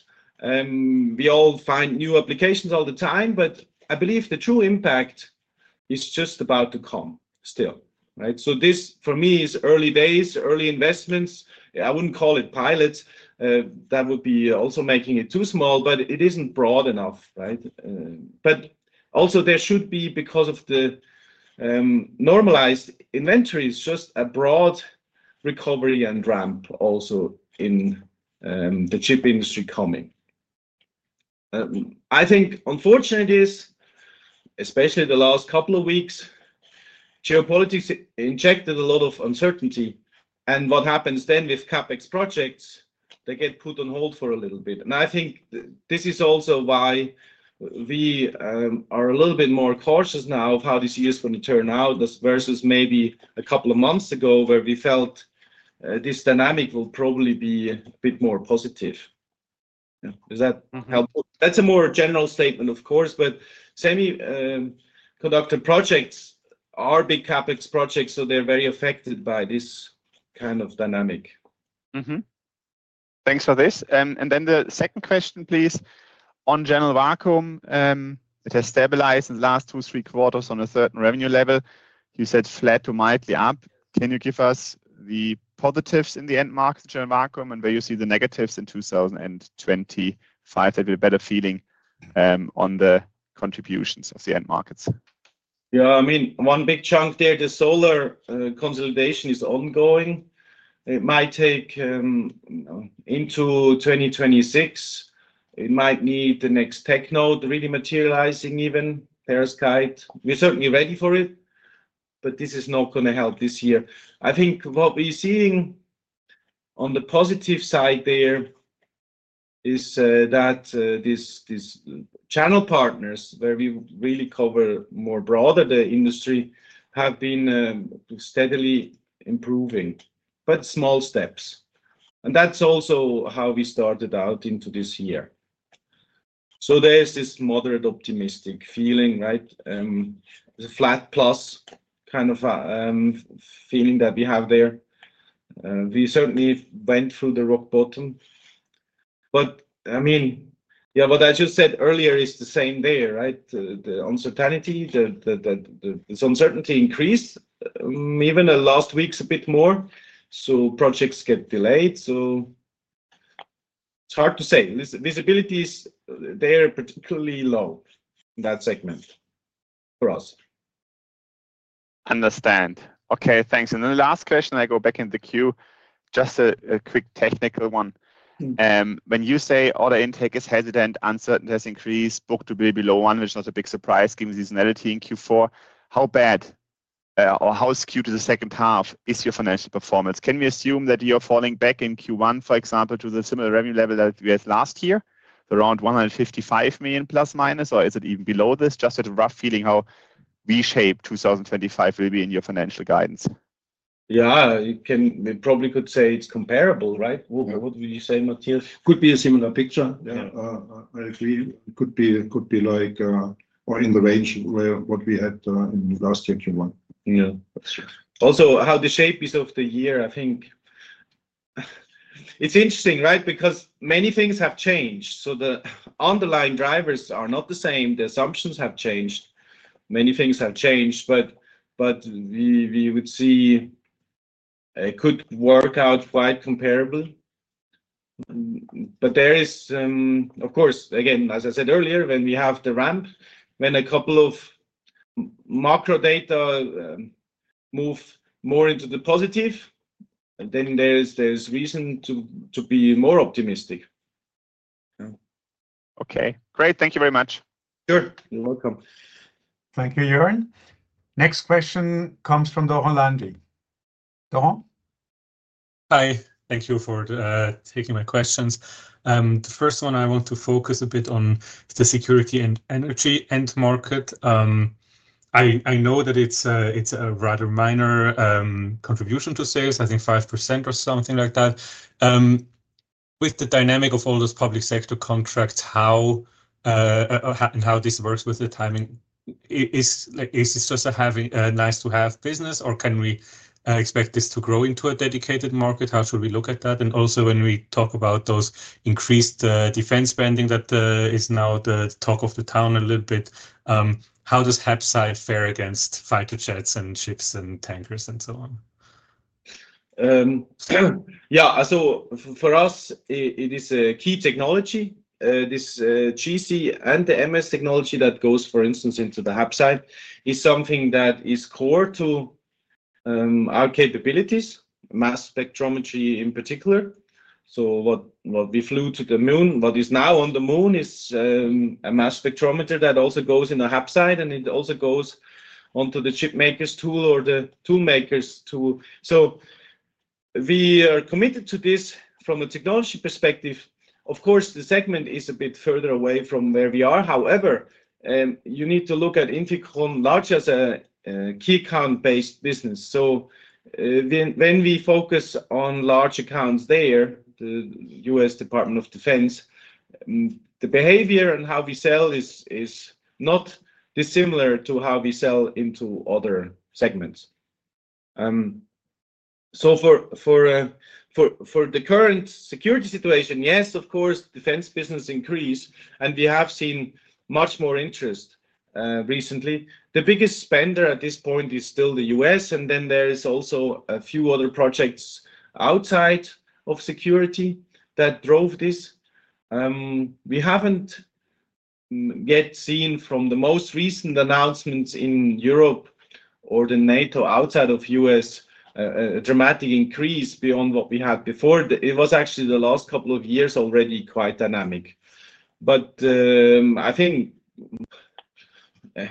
We all find new applications all the time, but I believe the true impact is just about to come still, right? This for me is early days, early investments. I would not call it pilots. That would be also making it too small, but it is not broad enough, right? There should be, because of the normalized inventories, just a broad recovery and ramp also in the chip industry coming. I think unfortunate is, especially the last couple of weeks, geopolitics injected a lot of uncertainty. What happens then with CapEx projects, they get put on hold for a little bit. I think this is also why we are a little bit more cautious now of how this year is going to turn out versus maybe a couple of months ago where we felt this dynamic will probably be a bit more positive. Does that help? That is a more general statement, of course, but semiconductor projects are big CapEx projects, so they are very affected by this kind of dynamic. Thanks for this. The second question, please. On General Vacuum, it has stabilized in the last two, three quarters on a certain revenue level. You said flat to mildly up. Can you give us the positives in the end markets, General Vacuum, and where you see the negatives in 2025 that will be a better feeling on the contributions of the end markets? Yeah, I mean, one big chunk there, the solar consolidation is ongoing. It might take into 2026. It might need the next tech node really materializing, even perovskite. We're certainly ready for it, but this is not going to help this year. I think what we're seeing on the positive side there is that these channel partners where we really cover more broader, the industry have been steadily improving, but small steps. That is also how we started out into this year. There is this moderate optimistic feeling, right? It's a flat plus kind of feeling that we have there. We certainly went through the rock bottom. I mean, yeah, what I just said earlier is the same there, right? The uncertainty, the uncertainty increased, even last week's a bit more. Projects get delayed. It's hard to say. Visibility is there particularly low in that segment for us. Understand. Okay, thanks. The last question, I go back in the queue, just a quick technical one. When you say order intake is hesitant, uncertainty has increased, book to bill below one, which is not a big surprise, given seasonality in Q4, how bad or how skewed to the second half is your financial performance? Can we assume that you're falling back in Q1, for example, to the similar revenue level that we had last year, around $155 million plus minus, or is it even below this? Just a rough feeling how V-shaped 2025 will be in your financial guidance. Yeah, we probably could say it's comparable, right? What would you say, Matthias? Could be a similar picture. Yeah, I agree. It could be like or in the range where what we had in last year, Q1. Yeah. Also, how the shape is of the year, I think it's interesting, right? Because many things have changed. So the underlying drivers are not the same. The assumptions have changed. Many things have changed, but we would see it could work out quite comparable. There is, of course, again, as I said earlier, when we have the ramp, when a couple of macro data move more into the positive, then there's reason to be more optimistic. Okay. Great. Thank you very much. Sure. You're welcome. Thank you, Jørn. Next question comes from Doron Landy. Doron? Hi. Thank you for taking my questions. The first one, I want to focus a bit on the security and energy end market. I know that it's a rather minor contribution to sales, I think 5% or something like that. With the dynamic of all those public sector contracts, how and how this works with the timing, is this just a nice-to-have business, or can we expect this to grow into a dedicated market? How should we look at that? Also, when we talk about those increased defense spending that is now the talk of the town a little bit, how does HAPSITE fare against fighter jets and ships and tankers and so on? Yeah, for us, it is a key technology. This GC and the MS technology that goes, for instance, into the HAPSITE is something that is core to our capabilities, mass spectrometry in particular. What we flew to the Moon, what is now on the Moon, is a mass spectrometer that also goes in the HAPSITE and it also goes onto the chipmakers' tool or the toolmakers' tool. We are committed to this from a technology perspective. Of course, the segment is a bit further away from where we are. However, you need to look at INFICON large as a key account-based business. When we focus on large accounts there, the U.S. Department of Defense, the behavior and how we sell is not dissimilar to how we sell into other segments. For the current security situation, yes, of course, defense business increased, and we have seen much more interest recently. The biggest spender at this point is still the U.S., and then there are also a few other projects outside of security that drove this. We have not yet seen from the most recent announcements in Europe or NATO outside of the U.S. a dramatic increase beyond what we had before. It was actually the last couple of years already quite dynamic. I think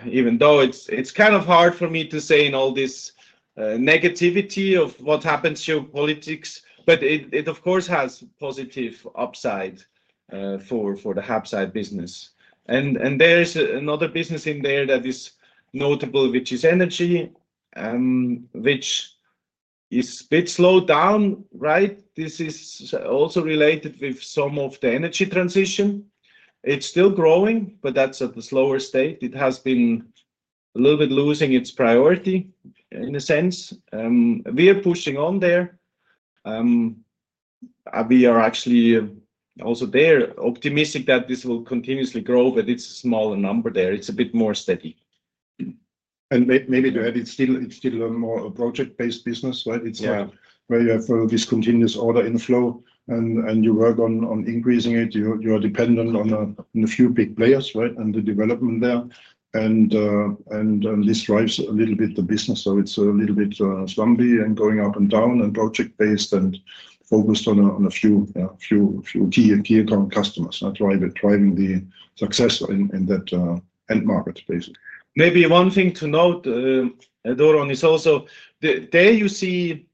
even though it's kind of hard for me to say in all this negativity of what happens to politics, it, of course, has positive upside for the HAPSITE business. There's another business in there that is notable, which is energy, which is a bit slowed down, right? This is also related with some of the energy transition. It's still growing, but that's at the slower state. It has been a little bit losing its priority in a sense. We are pushing on there. We are actually also there optimistic that this will continuously grow, but it's a smaller number there. It's a bit more steady. Maybe to add, it's still a more project-based business, right? It's like where you have this continuous order inflow, and you work on increasing it. You are dependent on a few big players, right, and the development there. This drives a little bit the business. It is a little bit slumpy and going up and down and project-based and focused on a few key account customers that are driving the success in that end market, basically. Maybe one thing to note, Doron, is also there you see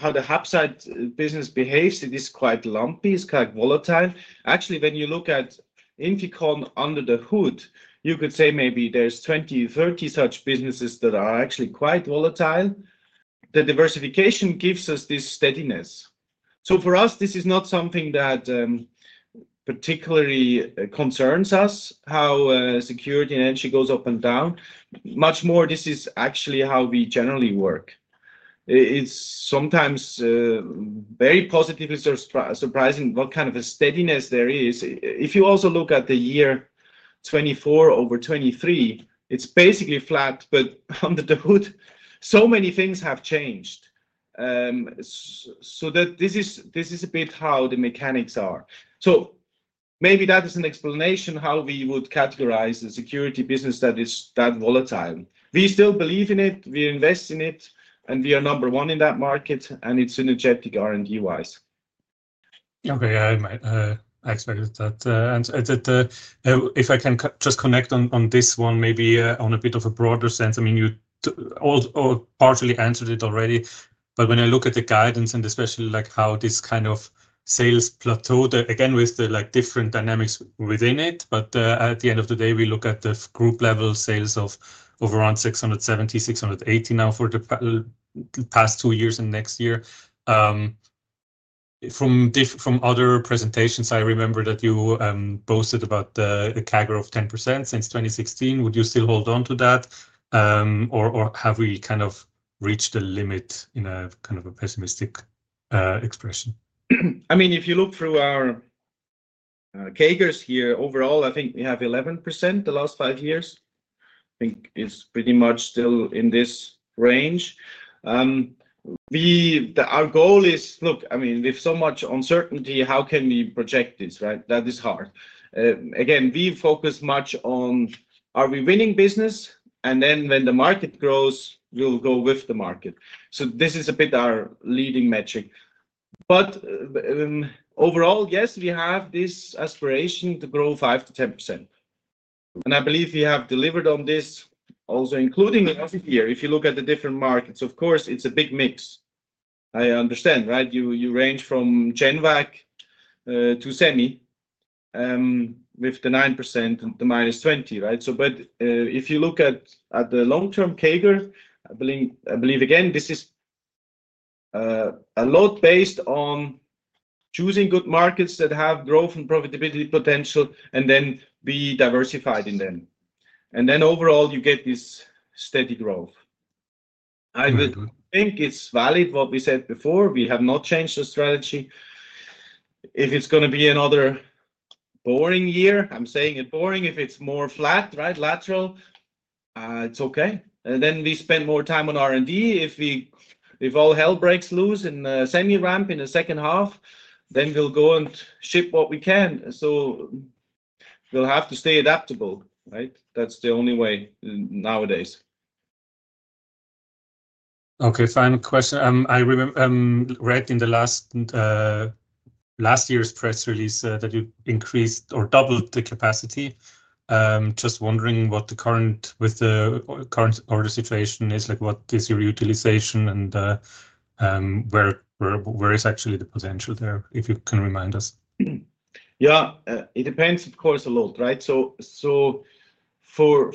how the HAPSITE business behaves. It is quite lumpy. It is quite volatile. Actually, when you look at INFICON under the hood, you could say maybe there are 20-30 such businesses that are actually quite volatile. The diversification gives us this steadiness. For us, this is not something that particularly concerns us, how security and energy goes up and down. Much more this is actually how we generally work. It is sometimes very positively surprising what kind of a steadiness there is. If you also look at the year 2024 over 2023, it's basically flat, but under the hood, so many things have changed. This is a bit how the mechanics are. Maybe that is an explanation how we would categorize the security business that is that volatile. We still believe in it. We invest in it, and we are number one in that market, and it's energetic R&D-wise. Okay. I expected that. If I can just connect on this one, maybe on a bit of a broader sense, I mean, you partially answered it already, but when I look at the guidance and especially how this kind of sales plateau, again, with the different dynamics within it, but at the end of the day, we look at the group-level sales of around $670 million, $680 million now for the past two years and next year. From other presentations, I remember that you posted about the CAGR of 10% since 2016. Would you still hold on to that, or have we kind of reached the limit in a kind of a pessimistic expression? I mean, if you look through our CAGRs here, overall, I think we have 11% the last five years. I think it's pretty much still in this range. Our goal is, look, I mean, with so much uncertainty, how can we project this, right? That is hard. Again, we focus much on, are we winning business? And then when the market grows, we'll go with the market. This is a bit our leading metric. Overall, yes, we have this aspiration to grow 5-10%. I believe we have delivered on this also, including last year. If you look at the different markets, of course, it's a big mix. I understand, right? You range from GenVac to Semi with the 9% and the minus 20%, right? If you look at the long-term CAGR, I believe, again, this is a lot based on choosing good markets that have growth and profitability potential and then be diversified in them. Overall, you get this steady growth. I think it's valid what we said before. We have not changed the strategy. If it's going to be another boring year, I'm saying it boring, if it's more flat, right, lateral, it's okay. We spend more time on R&D. If all hell breaks loose in the semi ramp in the second half, then we'll go and ship what we can. We'll have to stay adaptable, right? That's the only way nowadays. Okay. Final question. I read in the last year's press release that you increased or doubled the capacity. Just wondering what the current order situation is. What is your utilization and where is actually the potential there? If you can remind us. Yeah. It depends, of course, a lot, right? For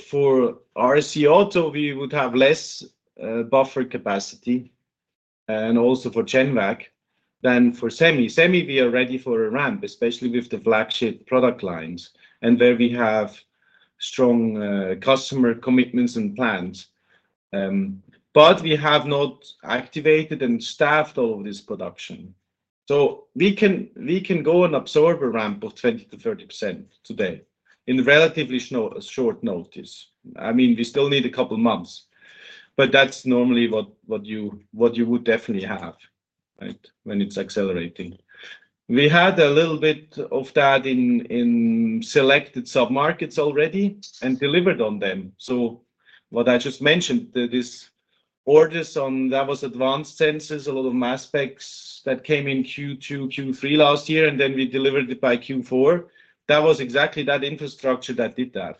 RSC Auto, we would have less buffer capacity and also for GenVac than for Semi. Semi, we are ready for a ramp, especially with the flagship product lines and where we have strong customer commitments and plans. We have not activated and staffed all of this production. We can go and absorb a ramp of 20-30% today in relatively short notice. I mean, we still need a couple of months, but that's normally what you would definitely have when it's accelerating. We had a little bit of that in selected sub-markets already and delivered on them. What I just mentioned, this orders on that was advanced sensors, a lot of mass specs that came in Q2, Q3 last year, and then we delivered it by Q4. That was exactly that infrastructure that did that.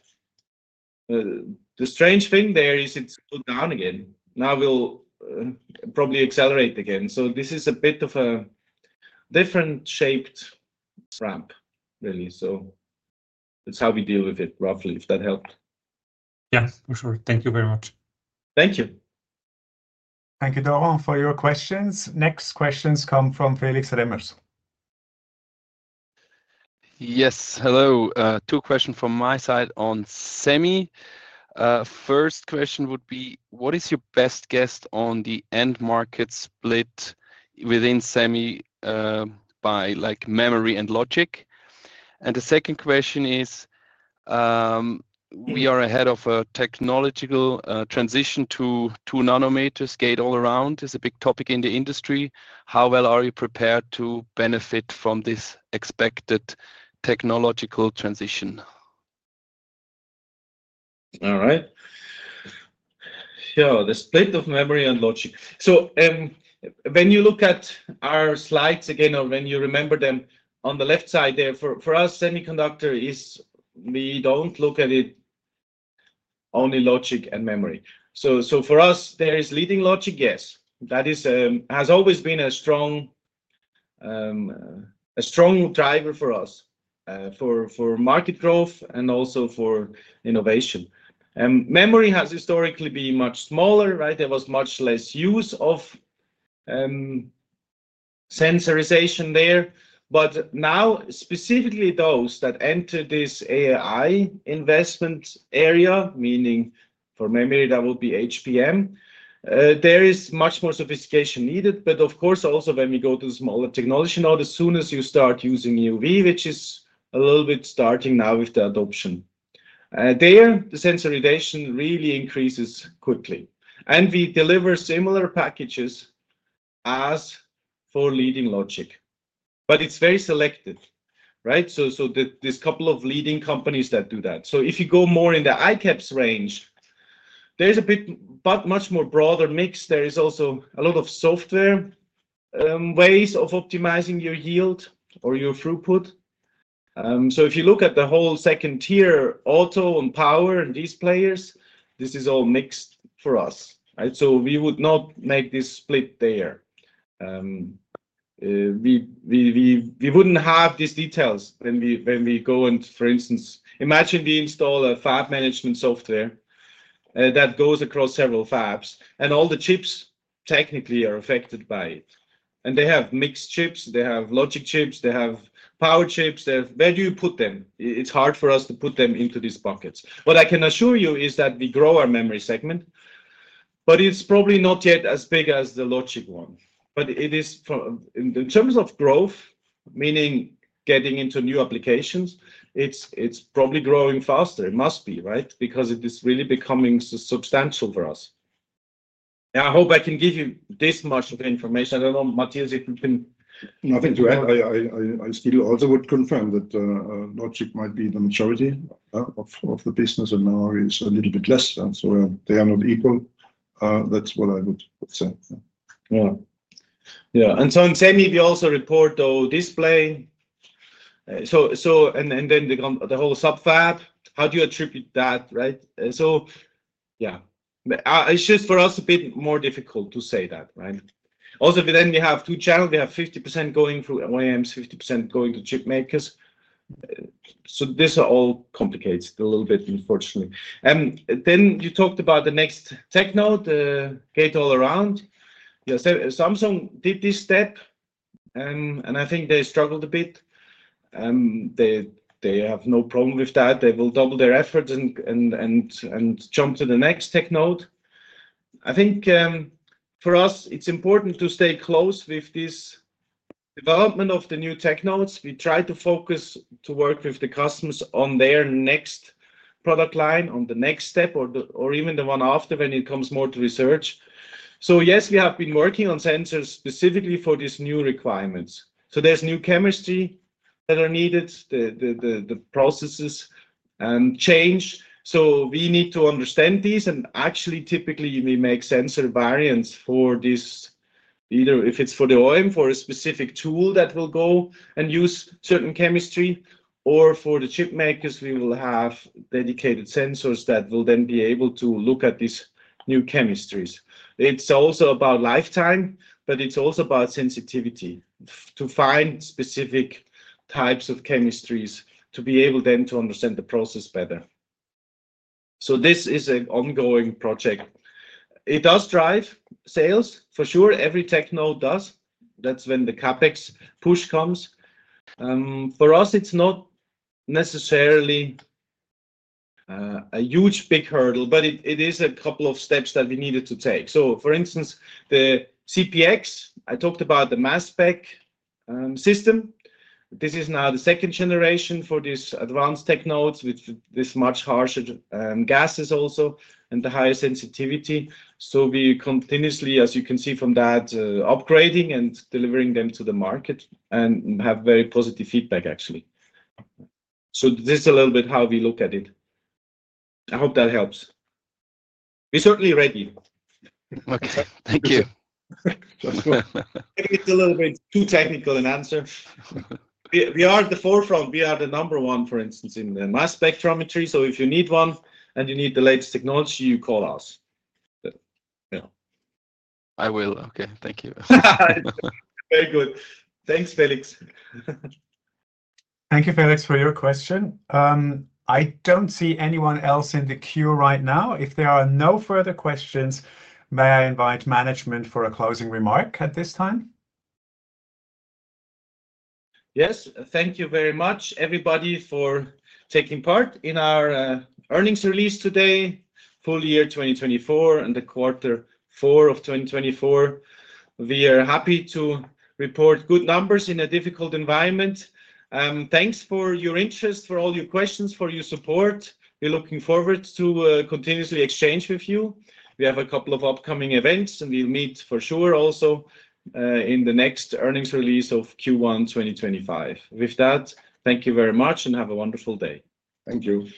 The strange thing there is it's put down again. Now we'll probably accelerate again. This is a bit of a different shaped ramp, really. That's how we deal with it, roughly, if that helped. Yes, for sure. Thank you very much. Thank you. Thank you, Doron, for your questions. Next questions come from Felix Remmers. Yes. Hello. Two questions from my side on Semi. First question would be, what is your best guess on the end market split within Semi by memory and logic? The second question is, we are ahead of a technological transition to two nanometers Gate-All-Around? All right. Yeah. The split of memory and logic. When you look at our slides again, or when you remember them, on the left side there, for us, semiconductor is we do not look at it only logic and memory. For us, there is leading logic, yes. That has always been a strong driver for us for market growth and also for innovation. Memory has historically been much smaller, right? There was much less use of sensorization there. Now, specifically those that enter this AI investment area, meaning for memory, that would be HBM, there is much more sophistication needed. Of course, also when we go to the smaller technology node, as soon as you start using EUV, which is a little bit starting now with the adoption, there, the sensorization really increases quickly. We deliver similar packages as for leading logic, but it's very selective, right? There are a couple of leading companies that do that. If you go more in the ICAPS range, there's a much broader mix. There are also a lot of software ways of optimizing your yield or your throughput. If you look at the whole second tier, auto and power and these players, this is all mixed for us, right? We would not make this split there. We wouldn't have these details when we go and, for instance, imagine we install a fab management software that goes across several fabs, and all the chips technically are affected by it. They have mixed chips. They have logic chips. They have power chips. Where do you put them? It's hard for us to put them into these buckets. What I can assure you is that we grow our memory segment, but it's probably not yet as big as the logic one. In terms of growth, meaning getting into new applications, it's probably growing faster. It must be, right? Because it is really becoming substantial for us. I hope I can give you this much of the information. I don't know, Matthias, if you can. Nothing to add. I still also would confirm that logic might be the majority of the business, and now it's a little bit less. They are not equal. That's what I would say. Yeah. In Semi, we also report our display. The whole sub-fab, how do you attribute that, right? It's just for us a bit more difficult to say that, right? Also, we have two channels. We have 50% going through OEMs, 50% going to chip makers. This all complicates it a little bit, unfortunately. You talked about the next tech node, the Gate-All-Around. Samsung did this step, and I think they struggled a bit. They have no problem with that. They will double their efforts and jump to the next tech node. I think for us, it's important to stay close with this development of the new tech nodes. We try to focus to work with the customers on their next product line, on the next step, or even the one after when it comes more to research. Yes, we have been working on sensors specifically for these new requirements. There is new chemistry that is needed, the processes change. We need to understand these. Actually, typically, we make sensor variants for this, either if it's for the OEM, for a specific tool that will go and use certain chemistry, or for the chip makers, we will have dedicated sensors that will then be able to look at these new chemistries. It's also about lifetime, but it's also about sensitivity to find specific types of chemistries to be able then to understand the process better. This is an ongoing project. It does drive sales, for sure. Every tech node does. That's when the CapEx push comes. For us, it's not necessarily a huge big hurdle, but it is a couple of steps that we needed to take. For instance, the CPX, I talked about the mass spec system. This is now the second generation for these advanced tech nodes with these much harsher gases also and the higher sensitivity. We continuously, as you can see from that, are upgrading and delivering them to the market and have very positive feedback, actually. This is a little bit how we look at it. I hope that helps. We're certainly ready. Okay. Thank you. It's a little bit too technical an answer. We are at the forefront. We are the number one, for instance, in mass spectrometry. If you need one and you need the latest technology, you call us. Yeah. I will. Okay. Thank you. Very good. Thanks, Felix. Thank you, Felix, for your question. I don't see anyone else in the queue right now. If there are no further questions, may I invite management for a closing remark at this time? Yes. Thank you very much, everybody, for taking part in our earnings release today, full year 2024 and the quarter four of 2024.We are happy to report good numbers in a difficult environment. Thanks for your interest, for all your questions, for your support. We're looking forward to continuously exchanging with you. We have a couple of upcoming events, and we'll meet for sure also in the next earnings release of Q1 2025. With that, thank you very much and have a wonderful day. Thank you.